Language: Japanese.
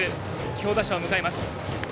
強打者を迎えます。